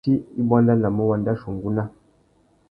Tsi i buandanamú wandachia ungúná.